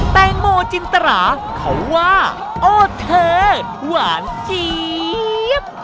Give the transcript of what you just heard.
แตงโมจินตราเขาว่าโอ้เธอหวานเจี๊ยบ